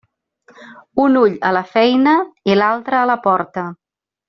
Un ull a la feina i l'altre a la porta.